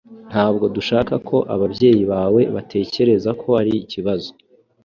Ntabwo dushaka ko ababyeyi bawe batekereza ko hari ikibazo